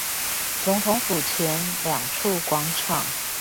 總統府前兩處廣場